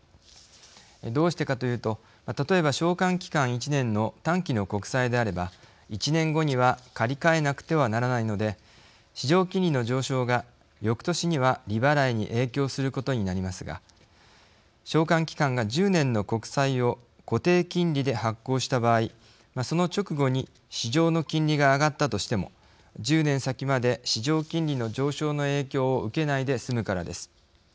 どうしてかというと例えば償還期間１年の短期の国債であれば１年後には借換えなくてはならないので市場金利の上昇がよくとしには利払いに影響することになりますが償還期間が１０年の国債を固定金利で発行した場合その直後に市場の金利が上がったとしても１０年先まで市場金利の上昇の影響を受けないで済むからです。